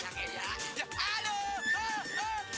aduh aduh aduh aduh aduh